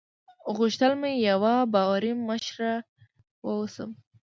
غوښتل مې یوه باوري مشره واوسم.